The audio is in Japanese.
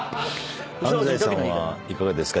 安斉さんはいかがですか？